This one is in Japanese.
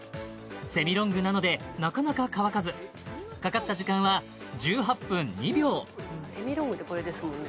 セミロングなのでなかなか乾かずかかった時間は１８分２秒セミロングでこれですもんね